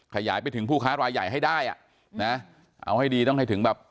ขยายไปถึงผู้ค้ารายใหญ่ให้ได้อ่ะนะเอาให้ดีต้องให้ถึงแบบ